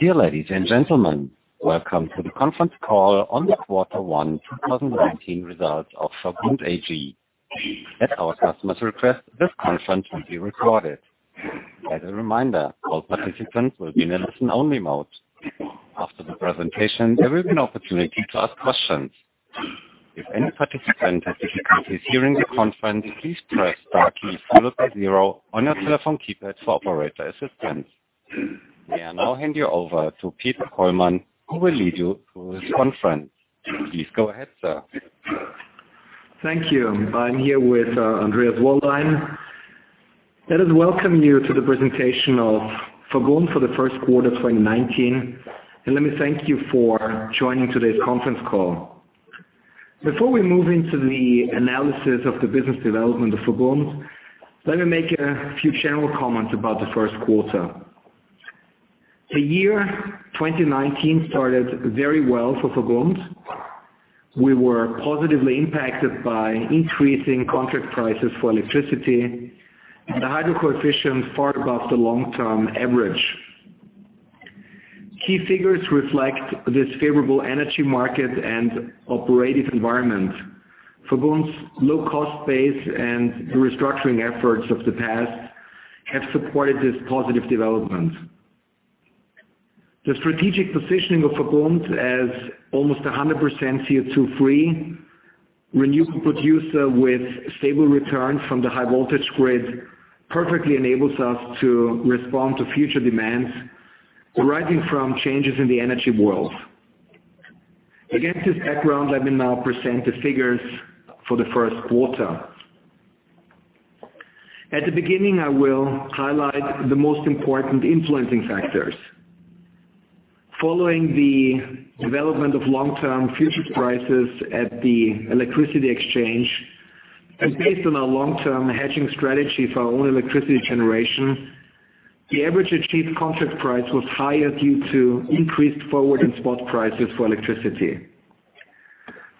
Dear ladies and gentlemen, welcome to the conference call on the Q1 2019 results of VERBUND AG. At our customers' request, this conference will be recorded. As a reminder, all participants will be in a listen-only mode. After the presentation, there will be an opportunity to ask questions. If any participant has difficulties hearing the conference, please press star key followed by zero on your telephone keypad for operator assistance. May I now hand you over to Peter Kollmann who will lead you through this conference. Please go ahead, sir. Thank you. I'm here with Andreas Wollein. Let us welcome you to the presentation of VERBUND for the first quarter of 2019, and let me thank you for joining today's conference call. Before we move into the analysis of the business development of VERBUND, let me make a few general comments about the first quarter. The year 2019 started very well for VERBUND. We were positively impacted by increasing contract prices for electricity, and a hydro coefficient far above the long-term average. Key figures reflect this favorable energy market and operative environment. VERBUND's low-cost base and the restructuring efforts of the past have supported this positive development. The strategic positioning of VERBUND as almost 100% CO2-free, renewable producer with stable returns from the high voltage grid, perfectly enables us to respond to future demands arising from changes in the energy world. Against this background, let me now present the figures for the first quarter. At the beginning, I will highlight the most important influencing factors. Following the development of long-term future prices at the electricity exchange, and based on our long-term hedging strategy for our own electricity generation, the average achieved contract price was higher due to increased forward and spot prices for electricity.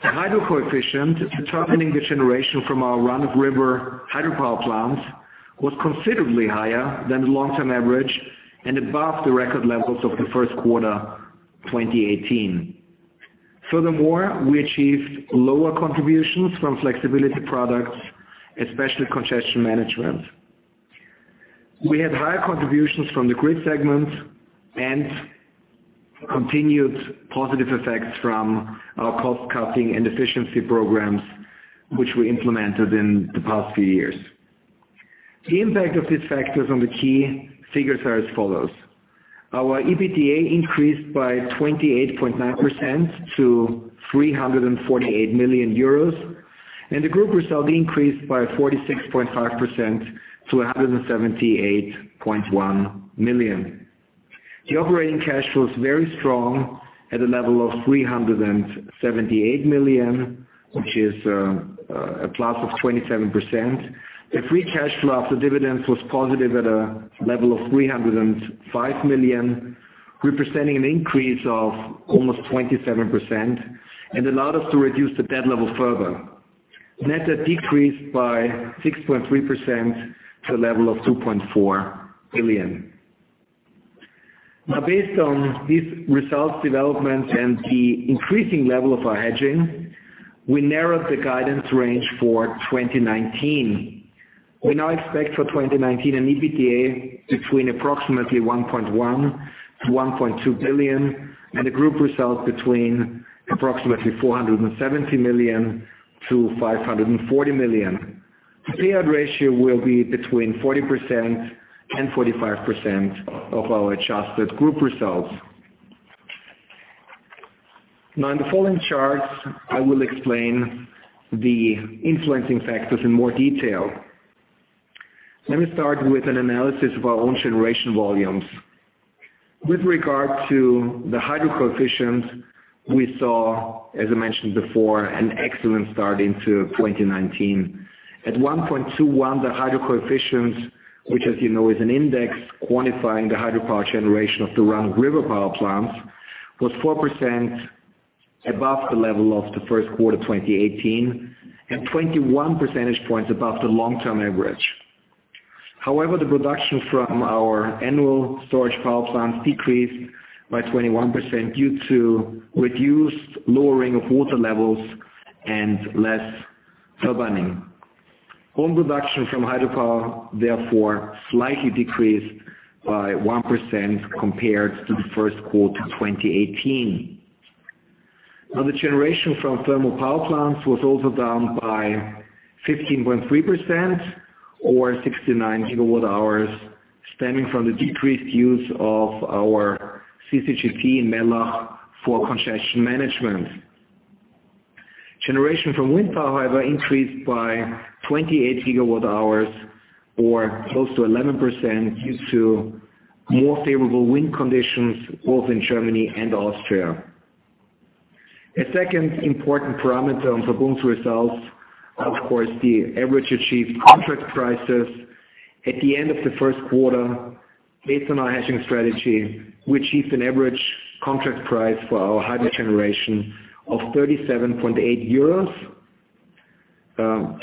The hydro coefficient determining the generation from our run-of-river hydropower plants was considerably higher than the long-term average, and above the record levels of the first quarter 2018. Furthermore, we achieved lower contributions from flexibility products, especially congestion management. We had higher contributions from the grid segment and continued positive effects from our cost-cutting and efficiency programs, which we implemented in the past few years. The impact of these factors on the key figures are as follows. Our EBITDA increased by 28.9% to 348 million euros, and the group result increased by 46.5% to 178.1 million. The operating cash flow is very strong at a level of 378 million, which is a +27%. The free cash flow after dividends was positive at a level of 305 million, representing an increase of almost 27%, and allowed us to reduce the debt level further. Net debt decreased by 6.3% to a level of 2.4 billion. Based on these results, developments, and the increasing level of our hedging, we narrowed the guidance range for 2019. We now expect for 2019 an EBITDA between approximately 1.1 billion to 1.2 billion, and a group result between approximately 470 million to 540 million. The payout ratio will be between 40% and 45% of our adjusted group results. In the following charts, I will explain the influencing factors in more detail. Let me start with an analysis of our own generation volumes. With regard to the hydro coefficient, we saw, as I mentioned before, an excellent start into 2019. At 1.21, the hydro coefficient, which as you know is an index quantifying the hydropower generation of the run-of-river power plants, was 4% above the level of the first quarter 2018, and 21 percentage points above the long-term average. However, the production from our annual storage power plants decreased by 21% due to reduced lowering of water levels and less snowmelt. Own production from hydropower, therefore, slightly decreased by 1% compared to the first quarter 2018. The generation from thermal power plants was also down by 15.3% or 69 gigawatt hours, stemming from the decreased use of our CCGT in Mellach for congestion management. Generation from wind power, however, increased by 28 gigawatt hours or close to 11% due to more favorable wind conditions both in Germany and Austria. A second important parameter on VERBUND's results, of course, the average achieved contract prices. At the end of the first quarter, based on our hedging strategy, we achieved an average contract price for our hydro generation of 37.8 euros.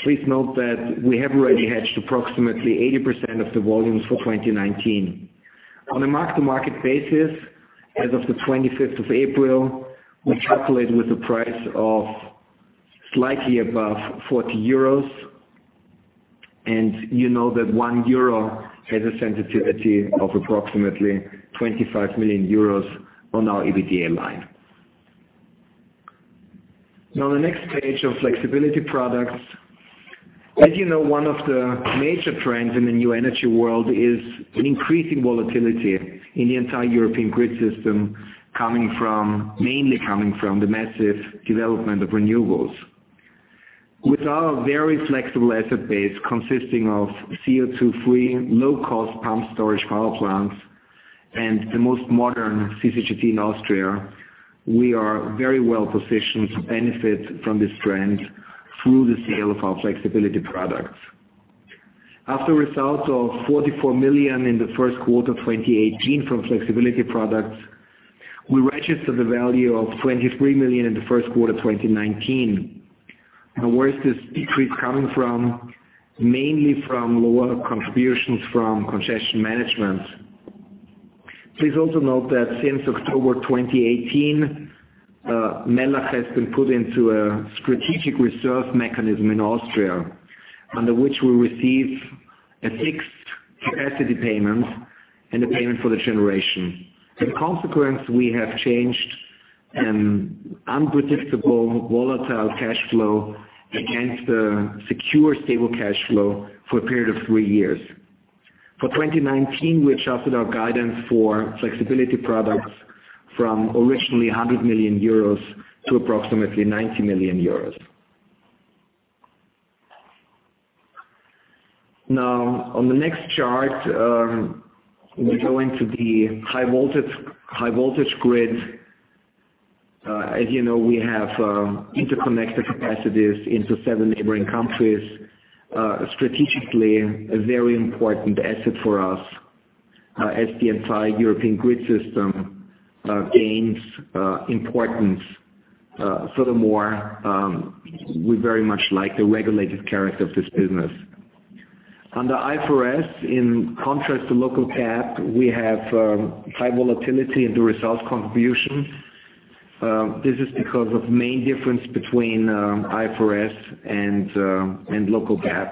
Please note that we have already hedged approximately 80% of the volumes for 2019. On a mark-to-market basis, as of the 25th of April, we calculate with a price of slightly above 40 euros, and you know that 1 euro has a sensitivity of approximately 25 million euros on our EBITDA line. The next page of flexibility products. As you know, one of the major trends in the new energy world is an increasing volatility in the entire European grid system, mainly coming from the massive development of renewables. With our very flexible asset base consisting of CO2-free, low-cost pumped storage power plants and the most modern CCGT in Austria, we are very well positioned to benefit from this trend through the sale of our flexibility products. After a result of 44 million in the first quarter of 2018 from flexibility products, we registered a value of 23 million in the first quarter of 2019. Where is this decrease coming from? Mainly from lower contributions from congestion management. Please also note that since October 2018, Mellach has been put into a strategic reserve mechanism in Austria, under which we receive a fixed capacity payment and a payment for the generation. In consequence, we have changed an unpredictable, volatile cash flow against a secure, stable cash flow for a period of three years. For 2019, we adjusted our guidance for flexibility products from originally 100 million euros to approximately 90 million euros. On the next chart, we go into the high voltage grid. As you know, we have interconnected capacities into seven neighboring countries. Strategically, a very important asset for us as the entire European grid system gains importance. Furthermore, we very much like the regulated character of this business. Under IFRS, in contrast to local GAAP, we have high volatility in the results contribution. This is because of the main difference between IFRS and local GAAP.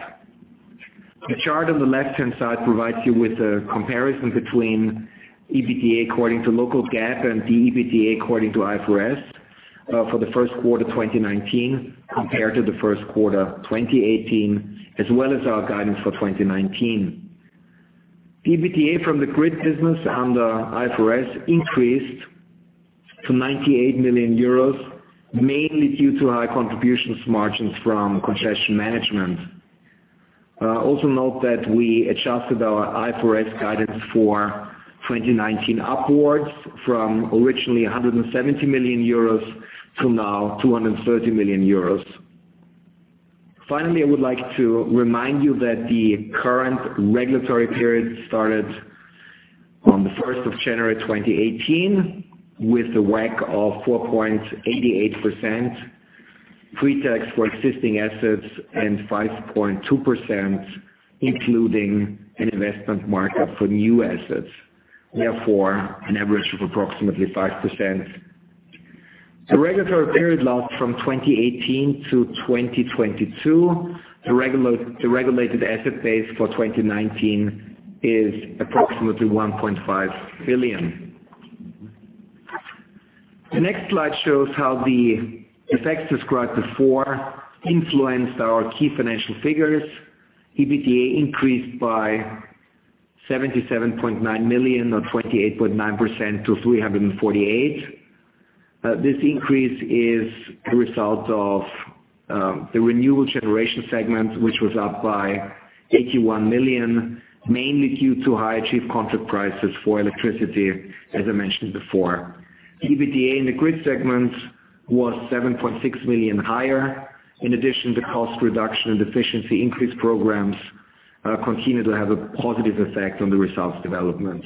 The chart on the left-hand side provides you with a comparison between EBITDA according to local GAAP and the EBITDA according to IFRS for the first quarter 2019 compared to the first quarter 2018, as well as our guidance for 2019. EBITDA from the grid business under IFRS increased to 98 million euros, mainly due to high contributions margins from congestion management. Note that we adjusted our IFRS guidance for 2019 upwards from originally 170 million euros to now 230 million euros. Finally, I would like to remind you that the current regulatory period started on the 1st of January 2018 with a WACC of 4.88%, pre-tax for existing assets and 5.2%, including an investment markup for new assets. Therefore, an average of approximately 5%. The regulatory period lasts from 2018 to 2022. The regulated asset base for 2019 is approximately 1.5 billion. The next slide shows how the effects described before influenced our key financial figures. EBITDA increased by 77.9 million or 28.9% to 348 million. This increase is a result of the renewable generation segment, which was up by 81 million, mainly due to high achieved contract prices for electricity, as I mentioned before. EBITDA in the grid segment was 7.6 million higher. In addition, the cost reduction and efficiency increase programs continue to have a positive effect on the results development.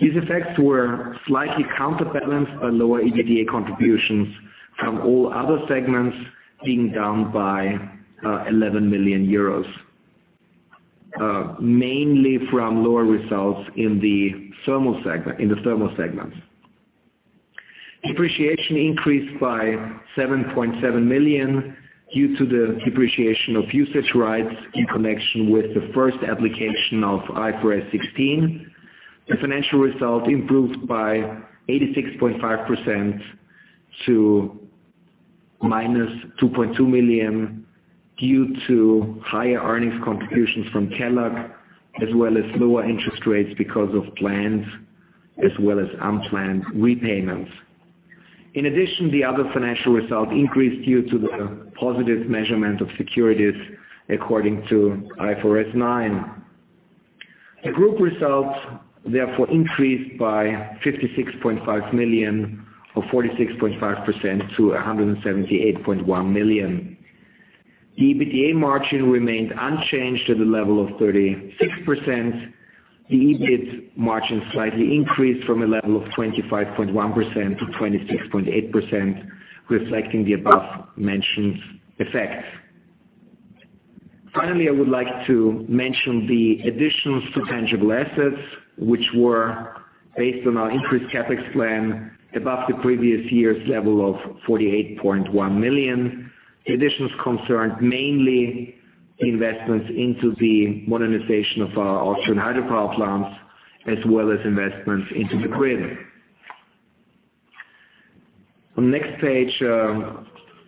These effects were slightly counterbalanced by lower EBITDA contributions from all other segments being down by 11 million euros. Mainly from lower results in the thermal segment. Depreciation increased by 7.7 million due to the depreciation of usage rights in connection with the first application of IFRS 16. The financial result improved by 86.5% to -2.2 million due to higher earnings contributions from KELAG, as well as lower interest rates because of planned as well as unplanned repayments. In addition, the other financial result increased due to the positive measurement of securities according to IFRS 9. The group results therefore increased by 56.5 million or 46.5% to 178.1 million. The EBITDA margin remained unchanged at a level of 36%. The EBIT margin slightly increased from a level of 25.1% to 26.8%, reflecting the above-mentioned effects. Finally, I would like to mention the additions to tangible assets, which were based on our increased CapEx plan above the previous year's level of 48.1 million. Additions concerned mainly investments into the modernization of our Austrian hydropower plants, as well as investments into the grid. On next page,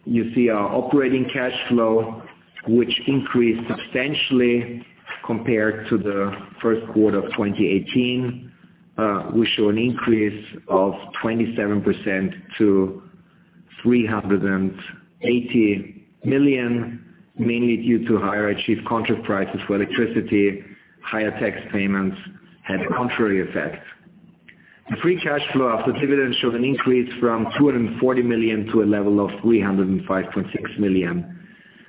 you see our operating cash flow, which increased substantially compared to the first quarter of 2018. We show an increase of 27% to 380 million, mainly due to higher achieved contract prices for electricity, higher tax payments had a contrary effect. The free cash flow after dividends showed an increase from 240 million to a level of 305.6 million.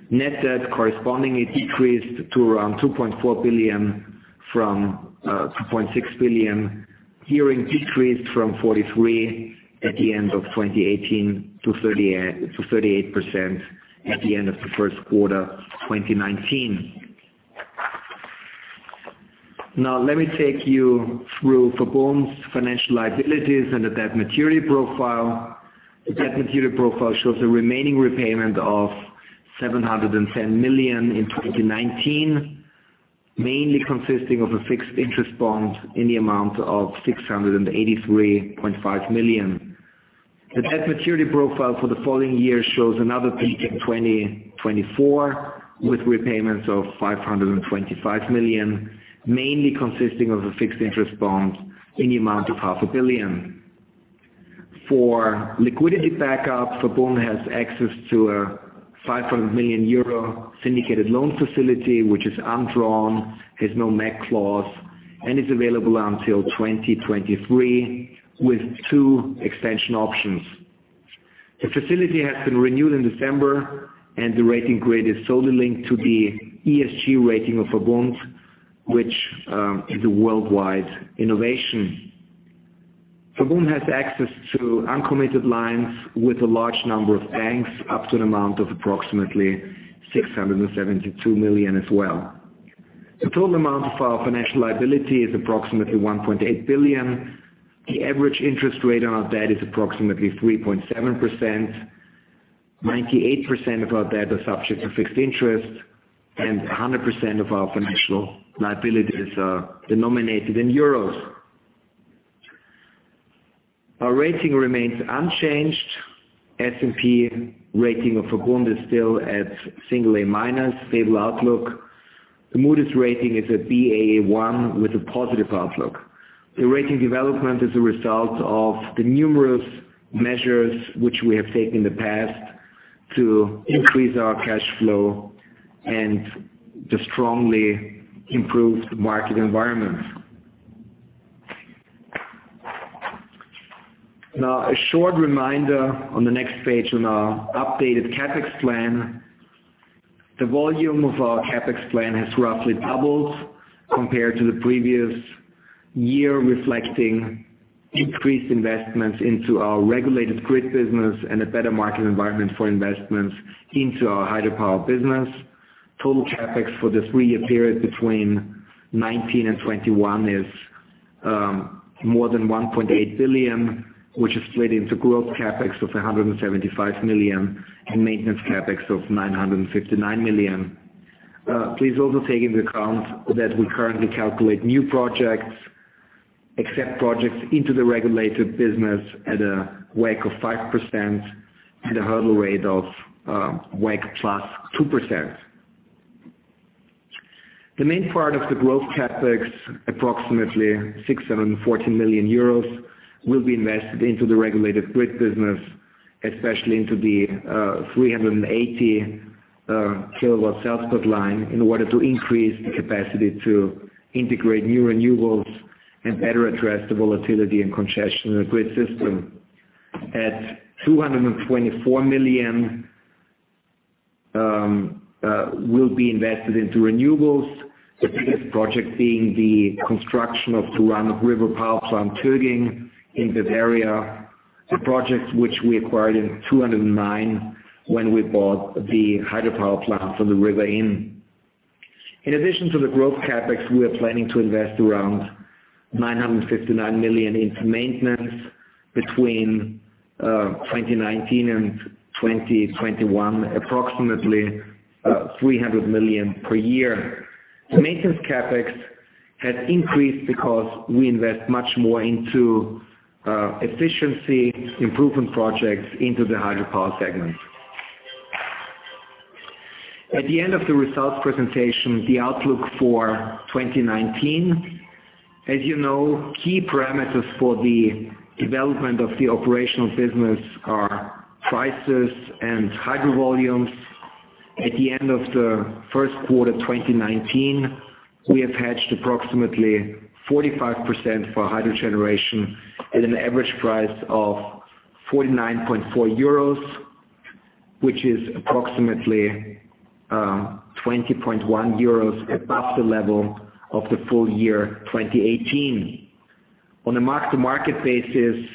Net debt correspondingly decreased to around 2.4 billion from 2.6 billion. Gearing decreased from 43% at the end of 2018 to 38% at the end of the first quarter 2019. Now, let me take you through VERBUND's financial liabilities and the debt maturity profile. The debt maturity profile shows a remaining repayment of 710 million in 2019, mainly consisting of a fixed interest bond in the amount of 683.5 million. The debt maturity profile for the following year shows another peak in 2024, with repayments of 525 million, mainly consisting of a fixed interest bond in the amount of half a billion. For liquidity backup, VERBUND has access to a 500 million euro syndicated loan facility, which is undrawn, has no MAC clause, and is available until 2023 with two extension options. The facility has been renewed in December, and the rating grade is solely linked to the ESG rating of VERBUND, which is a worldwide innovation. VERBUND has access to uncommitted lines with a large number of banks, up to an amount of approximately 672 million as well. The total amount of our financial liability is approximately 1.8 billion. The average interest rate on our debt is approximately 3.7%. 98% of our debt is subject to fixed interest, and 100% of our financial liabilities are denominated in euros. Our rating remains unchanged. S&P rating of VERBUND is still at single A minus, stable outlook. The Moody's rating is a Baa1 with a positive outlook. The rating development is a result of the numerous measures which we have taken in the past to increase our cash flow and to strongly improve the market environment. A short reminder on the next page on our updated CapEx plan. The volume of our CapEx plan has roughly doubled compared to the previous year, reflecting increased investments into our regulated grid business and a better market environment for investments into our hydropower business. Total CapEx for this three-year period between 2019 and 2021 is more than 1.8 billion, which is split into growth CapEx of 175 million and maintenance CapEx of 959 million. Please also take into account that we currently calculate new projects, accept projects into the regulated business at a WACC of 5% and a hurdle rate of WACC plus 2%. The main part of the growth CapEx, approximately 614 million euros, will be invested into the regulated grid business, especially into the 380-kilovolt Salzburgleitung, in order to increase the capacity to integrate new renewables and better address the volatility and congestion in the grid system. 224 million will be invested into renewables, the biggest project being the construction of two run-of-river power plants on Töging in this area. A project which we acquired in 2009 when we bought the hydropower plant on the River Inn. In addition to the growth CapEx, we are planning to invest around 959 million into maintenance between 2019 and 2021, approximately 300 million per year. The maintenance CapEx has increased because we invest much more into efficiency improvement projects into the hydropower segment. At the end of the results presentation, the outlook for 2019. As you know, key parameters for the development of the operational business are prices and hydro volumes. At the end of the first quarter 2019, we have hedged approximately 45% for hydro generation at an average price of 49.4 euros, which is approximately 20.1 euros above the level of the full year 2018. On a mark-to-market basis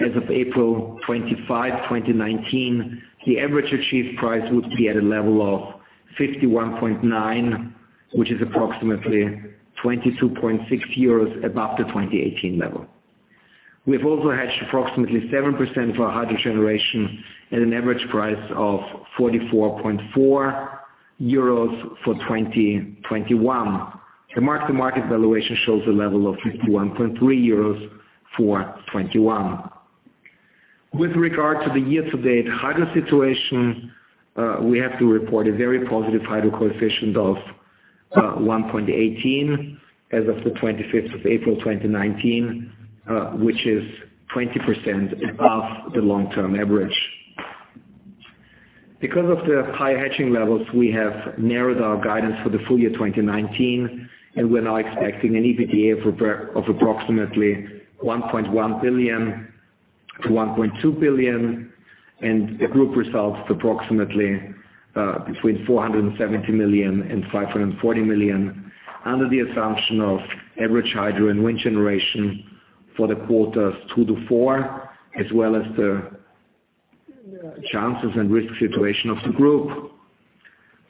as of April 25, 2019, the average achieved price would be at a level of 51.9, which is approximately 22.6 euros above the 2018 level. We've also hedged approximately 7% of our hydro generation at an average price of 44.4 euros for 2021. The mark-to-market valuation shows a level of 51.3 euros for 2021. With regard to the year-to-date hydro situation, we have to report a very positive hydro coefficient of 1.18 as of the 25th of April, 2019, which is 20% above the long-term average. We have narrowed our guidance for the full year 2019, and we're now expecting an EBITDA of approximately 1.1 billion-1.2 billion, and the group results approximately between 470 million and 540 million under the assumption of average hydro and wind generation for the quarters two to four, as well as the chances and risk situation of the group.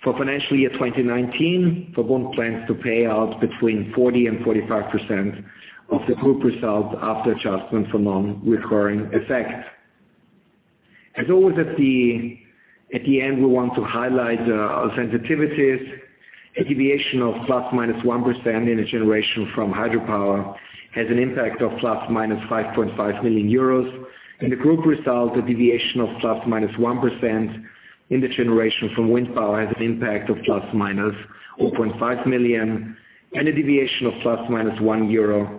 For financial year 2019, VERBUND plans to pay out between 40% and 45% of the group results after adjustment for non-recurring effects. As always, at the end, we want to highlight our sensitivities. A deviation of ±1% in a generation from hydropower has an impact of ±5.5 million euros. In the group results, a deviation of ±1% in the generation from wind power has an impact of ±0.5 million, and a deviation of ±1 euro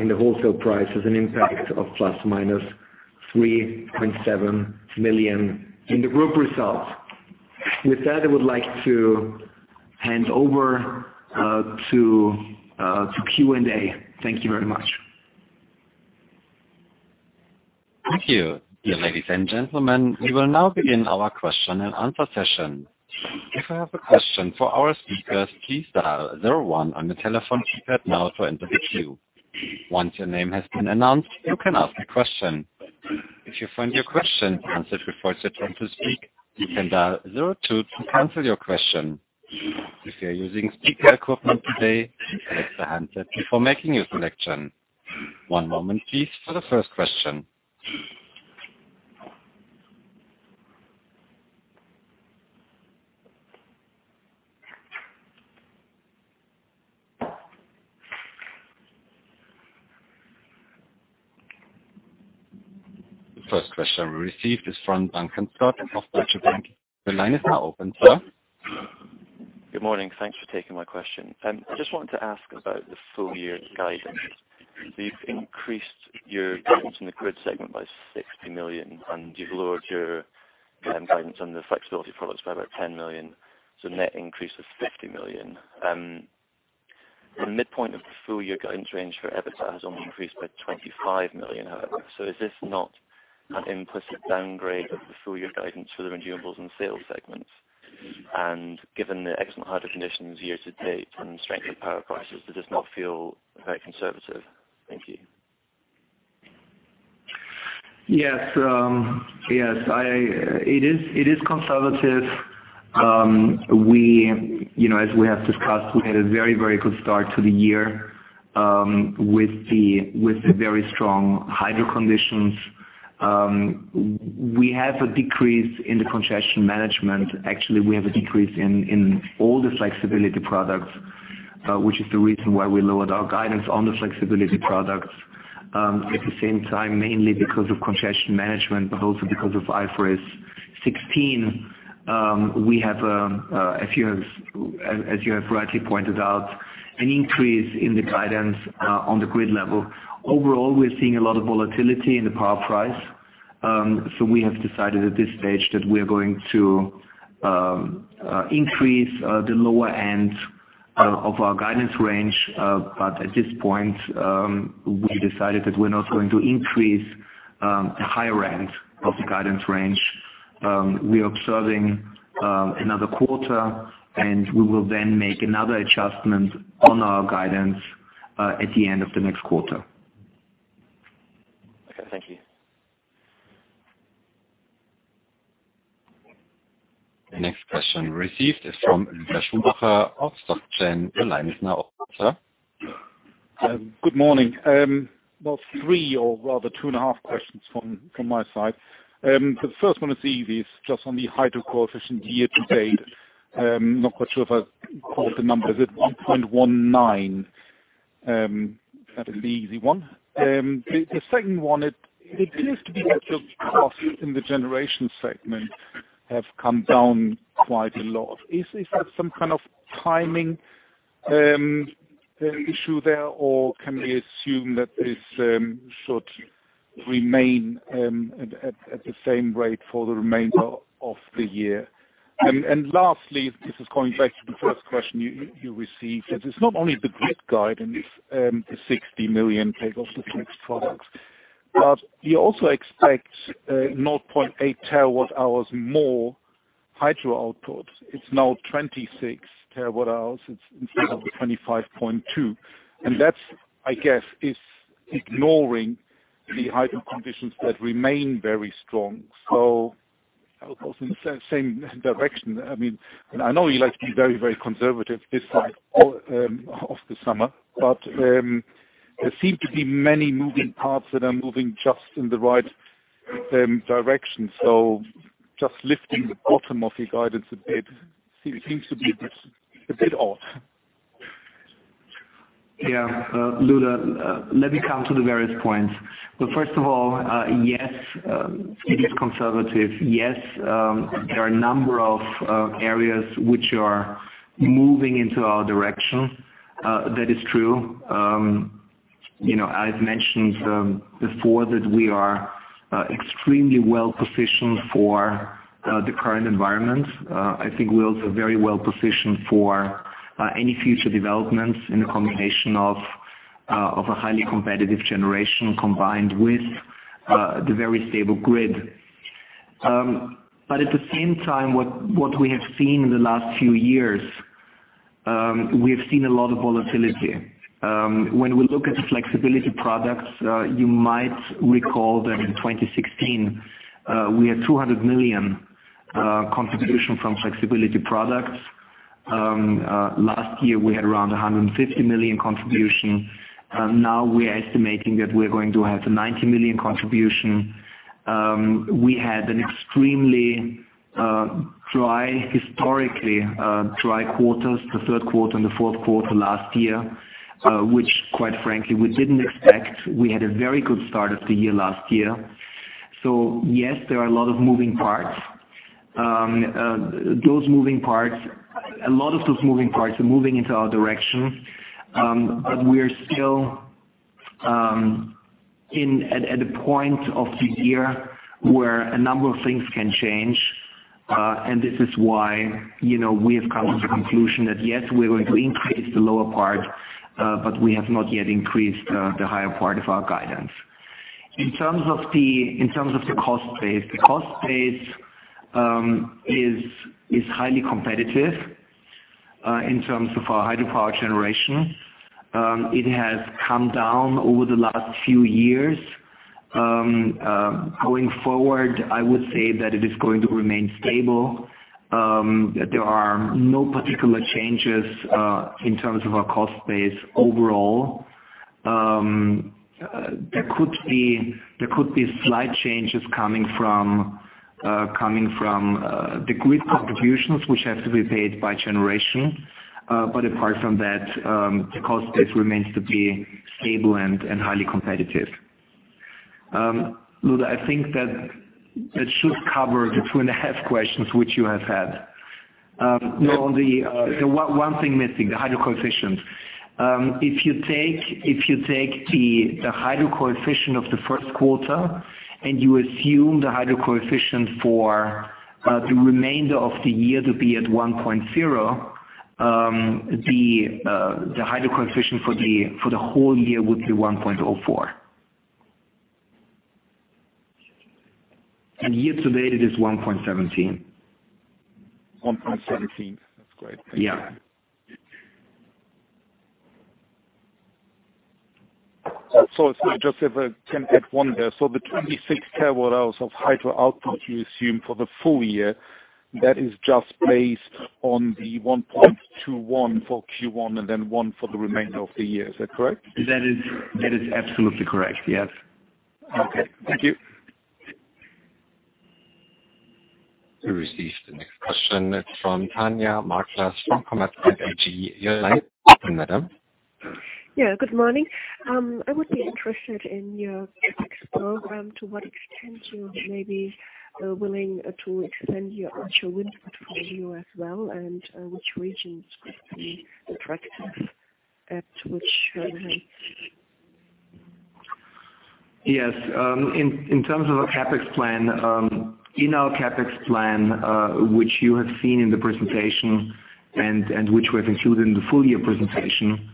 in the wholesale price has an impact of ±3.7 million in the group results. With that, I would like to hand over to Q&A. Thank you very much. Thank you. Dear ladies and gentlemen, we will now begin our question and answer session. If you have a question for our speakers, please dial 01 on the telephone keypad now to enter the queue. Once your name has been announced, you can ask a question. If you find your question answered before it's your turn to speak, you can dial 02 to cancel your question. If you're using speaker equipment today, connect the handset before making your selection. One moment, please, for the first question. The first question we received is from Duncan Scott of Deutsche Bank. The line is now open, sir. Good morning. Thanks for taking my question. I just wanted to ask about the full-year guidance. You've increased your guidance in the grid segment by 60 million, and you've lowered your guidance on the flexibility products by about 10 million. Net increase is 50 million. The midpoint of the full-year guidance range for EBITDA has only increased by 25 million, however. Is this not an implicit downgrade of the full-year guidance for the renewables and sales segments? Given the excellent hydro conditions year to date and strength in power prices, does this not feel very conservative? Thank you. Yes. It is conservative. As we have discussed, we had a very good start to the year with the very strong hydro conditions. We have a decrease in the congestion management. Actually, we have a decrease in all the flexibility products, which is the reason why we lowered our guidance on the flexibility products. At the same time, mainly because of congestion management, but also because of IFRS 16, we have, as you have rightly pointed out, an increase in the guidance on the grid level. Overall, we're seeing a lot of volatility in the power price. We have decided at this stage that we are going to increase the lower end of our guidance range. At this point, we decided that we're not going to increase the higher end of the guidance range. We are observing another quarter, and we will then make another adjustment on our guidance at the end of the next quarter. Okay. Thank you. The next question received is from Ulrich Schumacher of SocGen. Your line is now open, sir. Good morning. Three or rather two and a half questions from my side. The first one is easy. It's just on the hydro coefficient year to date. I'm not quite sure if I caught the number. Is it 1.19? That is the easy one. The second one, it appears to be that your costs in the generation segment have come down quite a lot. Is that some kind of timing issue there, or can we assume that this should remain at the same rate for the remainder of the year? Lastly, this is going back to the first question you received, it's not only the grid guidance, the 60 million take of the fixed products, but you also expect 0.8 terawatt-hours more hydro output. It's now 26 terawatt-hours. It's instead of 25.2. That, I guess, is ignoring the hydro conditions that remain very strong. Output in the same direction. I know you like to be very conservative this side of the summer, there seem to be many moving parts that are moving just in the right direction. Just lifting the bottom of your guidance a bit seems to be a bit off. Lueder, let me come to the various points. First of all, yes, it is conservative. Yes, there are a number of areas which are moving into our direction. That is true. I've mentioned before that we are extremely well-positioned for the current environment. I think we are also very well-positioned for any future developments in a combination of a highly competitive generation combined with the very stable grid. At the same time, what we have seen in the last few years, we have seen a lot of volatility. When we look at flexibility products, you might recall that in 2016, we had 200 million contribution from flexibility products. Last year, we had around 150 million contribution. Now we are estimating that we're going to have the 90 million contribution. We had an extremely historically dry quarters, the third quarter and the fourth quarter last year, which quite frankly, we didn't expect. We had a very good start of the year last year. Yes, there are a lot of moving parts. A lot of those moving parts are moving into our direction, we are still at a point of the year where a number of things can change. This is why we have come to the conclusion that, yes, we're going to increase the lower part, we have not yet increased the higher part of our guidance. In terms of the cost base, the cost base is highly competitive in terms of our hydropower generation. It has come down over the last few years. Going forward, I would say that it is going to remain stable, that there are no particular changes in terms of our cost base overall. There could be slight changes coming from the grid contributions which have to be paid by generation. Apart from that, the cost base remains to be stable and highly competitive. Luna, I think that it should cover the two and a half questions which you have had. Only one thing missing, the hydro coefficients. If you take the hydro coefficient of the first quarter and you assume the hydro coefficient for the remainder of the year to be at 1.0, the hydro coefficient for the whole year would be 1.04. Year to date, it is 1.17. 1.17. That's great. Thank you. Yeah. Sorry, just have a look at one there. The 26 terawatt-hours of hydro output you assume for the full year, that is just based on the 1.21 for Q1 and then 1.0 for the remainder of the year. Is that correct? That is absolutely correct, yes. Okay. Thank you. We received the next question. It is from Tanja Markhard from Commerzbank AG. You are live. Welcome, madam. Yeah, good morning. I would be interested in your CapEx program, to what extent you may be willing to extend your offshore wind portfolio as well, and which regions could be attractive at which rates? Yes. In terms of our CapEx plan, in our CapEx plan, which you have seen in the presentation and which we have included in the full year presentation,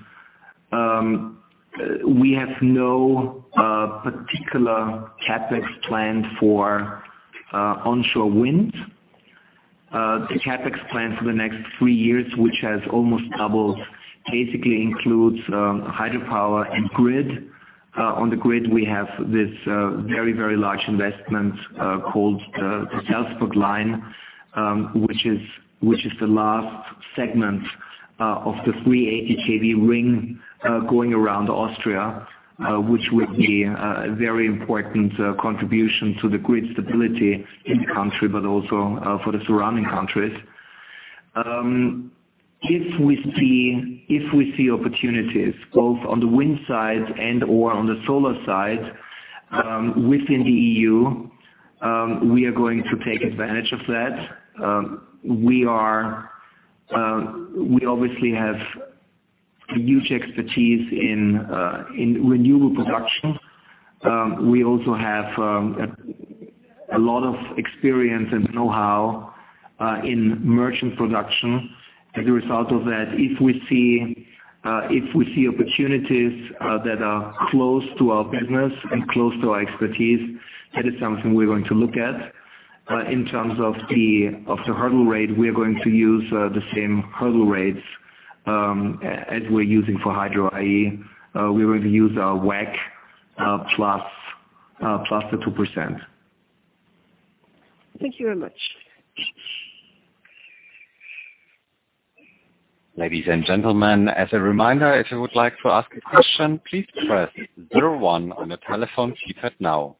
we have no particular CapEx plan for onshore wind. The CapEx plan for the next three years, which has almost doubled, basically includes hydropower and grid. On the grid, we have this very large investment called the Salzburgleitung, which is the last segment of the 380 kV ring going around Austria, which will be a very important contribution to the grid stability in the country, but also for the surrounding countries. If we see opportunities both on the wind side and/or on the solar side within the EU, we are going to take advantage of that. We obviously have a huge expertise in renewable production. We also have a lot of experience and know-how in merchant production. As a result of that, if we see opportunities that are close to our business and close to our expertise, that is something we're going to look at. In terms of the hurdle rate, we are going to use the same hurdle rates as we're using for Hydro IE. We're going to use WACC plus the 2%. Thank you very much. Ladies and gentlemen, as a reminder, if you would like to ask a question, please press 01 on your telephone keypad now.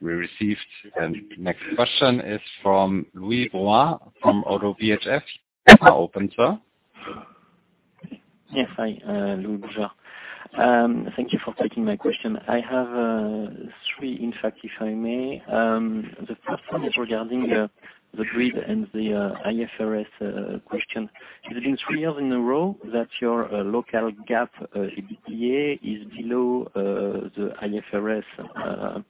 The next question is from Lueder Schumacher from Oddo BHF. You may now open, sir. Yes. Hi, Lueder Schumacher. Thank you for taking my question. I have three, in fact, if I may. The first one is regarding the grid and the IFRS question. It has been three years in a row that your local GAAP EBITDA is below the IFRS EBITDA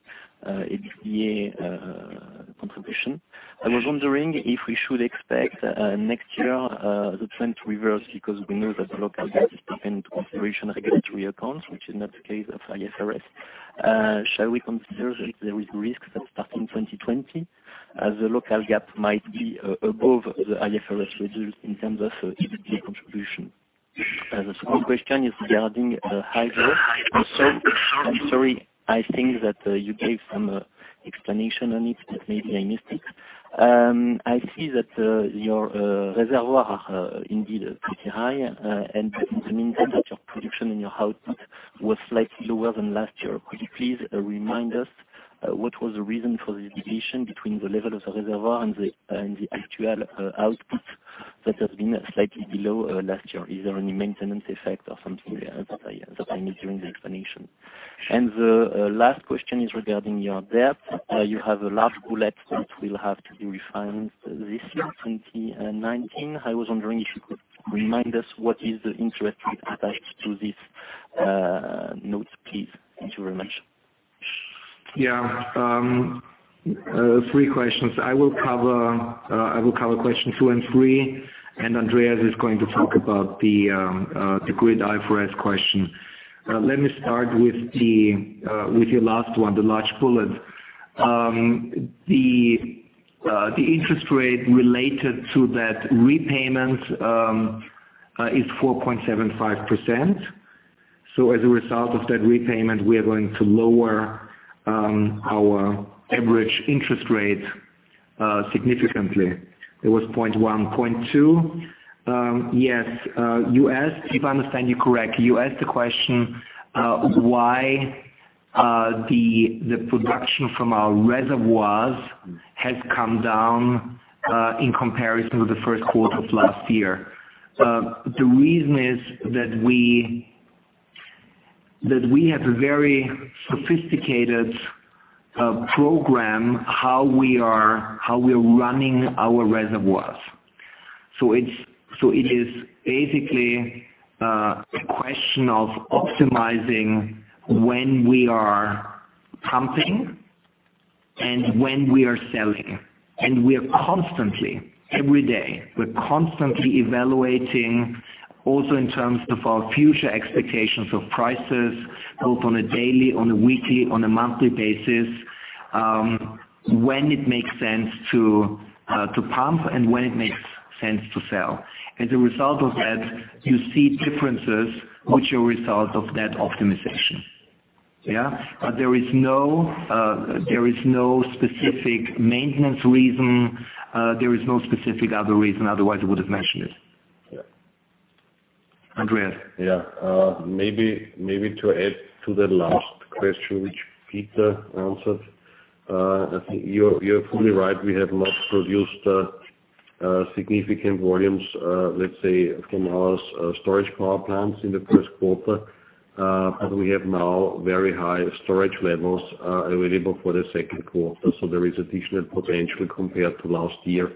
contribution. I was wondering if we should expect next year the trend to reverse because we know that local GAAP is taken into consideration regulatory accounts, which is not the case of IFRS. Shall we consider that there is risks that starting 2020, as a local GAAP might be above the IFRS schedule in terms of EBITDA contribution? The second question is regarding Hydro. I'm sorry, I think that you gave some explanation on it, but maybe I missed it. I see that your reservoir are indeed pretty high. In the meantime, that your production and your output was slightly lower than last year. Could you please remind us what was the reason for the deviation between the level of the reservoir and the actual output that has been slightly below last year? Is there any maintenance effect or something that I missed during the explanation? The last question is regarding your debt. You have a large bullet that will have to be refinanced this year, 2019. I was wondering if you could remind us what is the interest rate attached to this note, please. Thank you very much. Three questions. I will cover questions 2 and 3. Andreas is going to talk about the grid IFRS question. Let me start with your last one, the large bullet. The interest rate related to that repayment is 4.75%. As a result of that repayment, we are going to lower our average interest rate significantly. It was 0.1, 0.2. Yes. If I understand you correctly, you asked the question why the production from our reservoirs has come down in comparison to the first quarter of last year. The reason is that we have a very sophisticated program, how we are running our reservoirs. It is basically a question of optimizing when we are pumping and when we are selling. We are constantly, every day, we're constantly evaluating also in terms of our future expectations of prices, both on a daily, on a weekly, on a monthly basis, when it makes sense to pump and when it makes sense to sell. As a result of that, you see differences which are a result of that optimization. There is no specific maintenance reason. There is no specific other reason, otherwise I would've mentioned it. Andreas. Maybe to add to the last question, which Peter answered. I think you're fully right. We have not produced significant volumes, let's say, from our storage power plants in the first quarter. We have now very high storage levels available for the second quarter. There is additional potential compared to last year,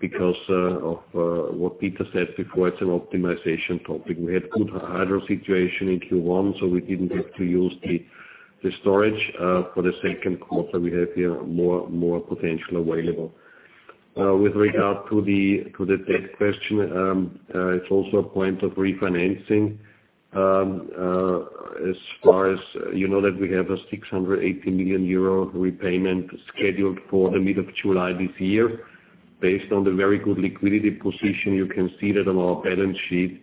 because of what Peter said before, it's an optimization topic. We had good hydro situation in Q1. We didn't get to use the storage. For the second quarter, we have here more potential available. With regard to the debt question, it's also a point of refinancing. As far as you know that we have a 680 million euro repayment scheduled for the middle of July this year. Based on the very good liquidity position, you can see that on our balance sheet.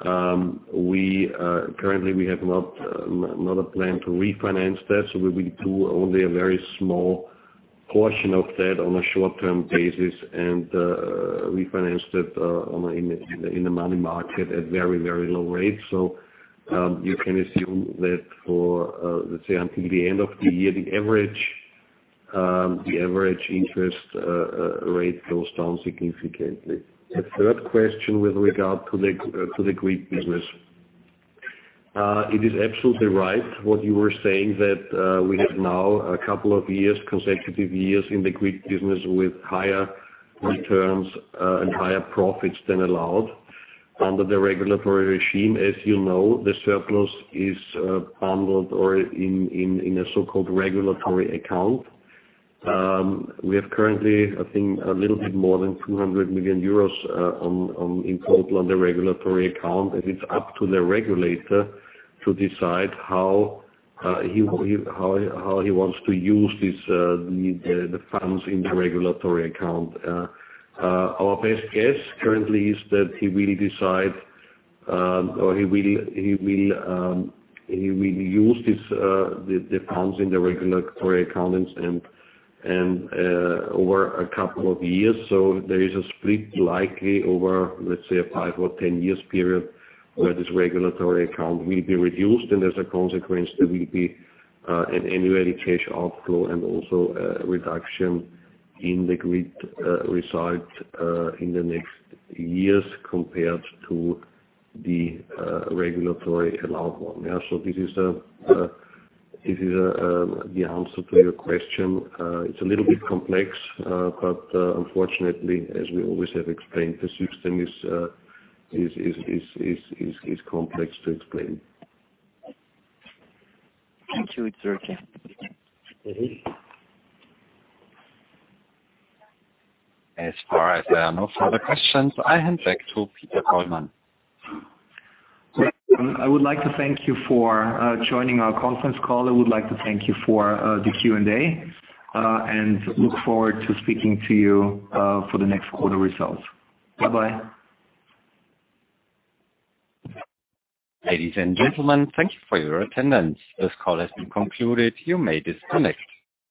Currently, we have not a plan to refinance that, so we do only a very small portion of that on a short-term basis and refinance that in the money market at very low rates. You can assume that for, let's say until the end of the year, the average interest rate goes down significantly. The third question with regard to the grid business. It is absolutely right what you were saying, that we have now a couple of consecutive years in the grid business with higher returns and higher profits than allowed under the regulatory regime. As you know, the surplus is bundled or in a so-called regulatory account. We have currently, I think, a little bit more than 200 million euros in total on the regulatory account, and it's up to the regulator to decide how he wants to use the funds in the regulatory account. Our best guess currently is that he will use the funds in the regulatory accounts over a couple of years. There is a split likely over, let's say, a 5 or 10 years period where this regulatory account will be reduced. As a consequence, there will be an annual cash outflow and also a reduction in the grid result in the next years compared to the regulatory allowed one. This is the answer to your question. It's a little bit complex, but unfortunately, as we always have explained, the system is complex to explain. Thank you. It's very clear. As far as there are no further questions, I hand back to Peter Kollmann. I would like to thank you for joining our conference call. I would like to thank you for the Q&A. Look forward to speaking to you for the next quarter results. Bye-bye. Ladies and gentlemen, thank you for your attendance. This call has been concluded. You may disconnect.